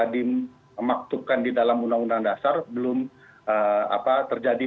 dimaktubkan di dalam undang undang dasar belum terjadi